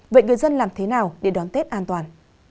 vậy người dân làm thế nào để đón tết an toàn